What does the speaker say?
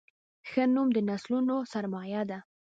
ښه نوم د نسلونو سرمایه ده.